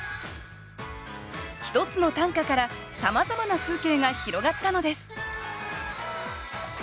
１つの短歌からさまざまな風景が広がったのです